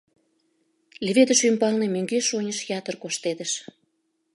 Леведыш ӱмбалне мӧҥгеш-оньыш ятыр коштедыш.